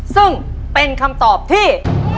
ซึ่งเป็นคำตอบที่